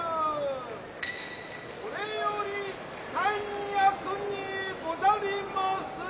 これより三役にござりまする。